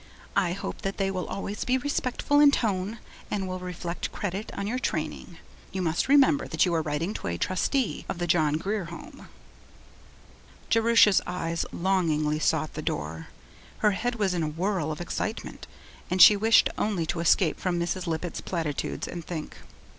I hope that they will always be respectful in tone and will reflect credit on your training. You must remember that you are writing to a Trustee of the John Grier Home.' Jerusha's eyes longingly sought the door. Her head was in a whirl of excitement, and she wished only to escape from Mrs. Lippett's platitudes and think.